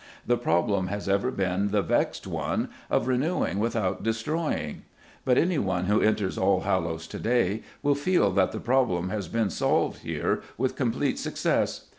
The problem has ever been the vexed one of renewing without destroying. But any one who enters Allhallows to day will feel that the problem has been solved here with complete success.